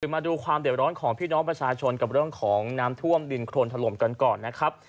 มาดูความเด็บร้อนของพี่น้องประชาชนกับเรื่องของน้ำท่วมดินโครนถล่มกันก่อนนะครับ